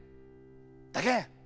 だけん